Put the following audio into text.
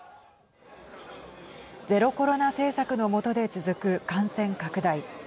ゼロコロナ政策の下で続く感染拡大。